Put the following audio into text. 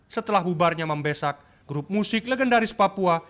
setelah bubarnya membesak grup musik legendaris papua